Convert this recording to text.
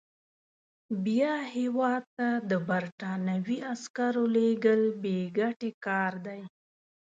بیا هیواد ته د برټانوي عسکرو لېږل بې ګټې کار دی.